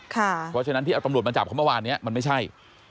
เพราะฉะนั้นที่เอาตำรวจมาจับเขาเมื่อวานนี้มันไม่ใช่